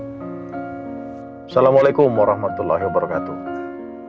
assalamualaikum warahmatullahi wabarakatuh